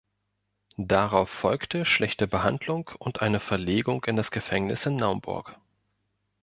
Darauf folgte schlechte Behandlung und eine Verlegung in das Gefängnis in Naumburg.